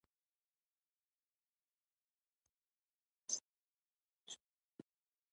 د پکتیکا په وازیخوا کې د سمنټو مواد شته.